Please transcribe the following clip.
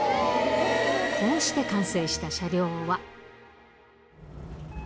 こうして完成した車両は。